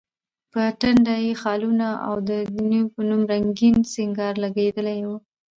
په ټنډه یې خالونه، او د دڼیو په نوم رنګین سینګار لګېدلی و.